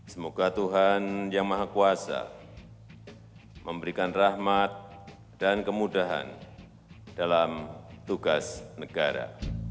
semoga tuhan yang maha kuasa memberikan rahmat dan kemudahan dalam tugas negara